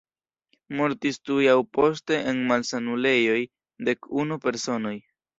Mortis tuj aŭ poste en malsanulejoj dek-unu personoj.